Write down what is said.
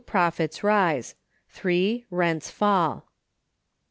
Profits rise. (3.) Rents fall.